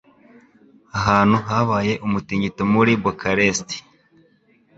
Ahantu habaye umutingito muri Bucharest